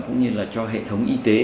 cũng như là cho hệ thống y tế